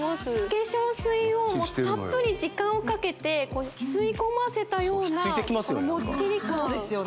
化粧水をたっぷり時間をかけて吸い込ませたようなもっちり感・ひっついてきますよね